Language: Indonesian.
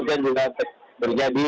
juga malam hari nanti